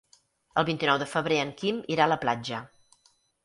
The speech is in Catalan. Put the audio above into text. El vint-i-nou de febrer en Quim irà a la platja.